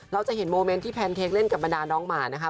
เราจะเห็นโมเมนต์ที่แพนเค้กเล่นกับบรรดาน้องหมานะคะ